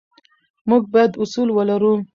موږ باید اصول ولرو.